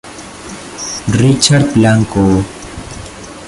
Richard Blanco